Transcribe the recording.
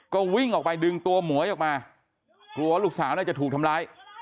ก็วิ่งออกไปดึงตัวหมวยออกมากลัวลูกสาวน่าจะถูกทำร้าย